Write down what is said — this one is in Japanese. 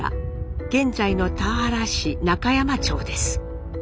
現在の田原市中山町です。